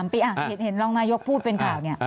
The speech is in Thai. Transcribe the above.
๒๓ปีเห็นรองนายกพูดเป็นข่าวนี้